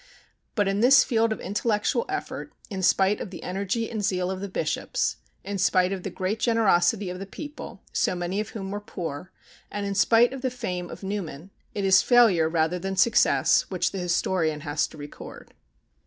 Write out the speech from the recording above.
But in this field of intellectual effort, in spite of the energy and zeal of the bishops, in spite of the great generosity of the people, so many of whom were poor, and in spite of the fame of Newman, it is failure rather than success which the historian has to record.